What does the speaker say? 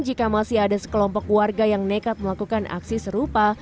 jika masih ada sekelompok warga yang nekat melakukan aksi serupa